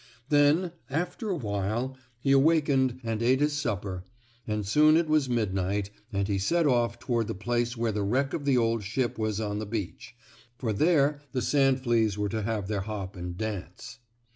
Then, after a while, he awakened and ate his supper and soon it was midnight, and he set off toward the place where the wreck of the old ship was on the beach, for there the sand fleas were to have their hop and dance.